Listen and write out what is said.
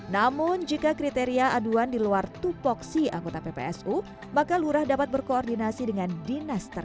namun jika kriteria aduan di luar tupoksi anggota ppsu maka lurah dapat berkoordinasi dengan dinas terkait